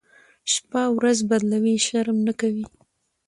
شپه ورځ بدلوي، شرم نه کوي.